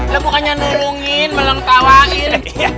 lu mukanya nulungin belum tawain